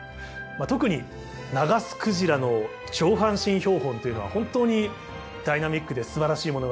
特にナガスクジラの上半身標本というのは本当にダイナミックですばらしいものがあると思います。